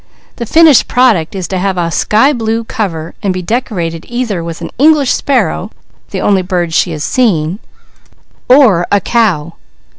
The finished product is to have a sky blue cover and be decorated either with an English sparrow, the only bird she has seen, or a cow.